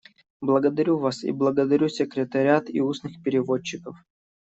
Благодарю вас и благодарю секретариат и устных переводчиков.